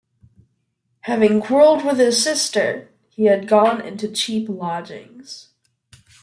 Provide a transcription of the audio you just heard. Having quarrelled with his sister, he had gone into cheap lodgings.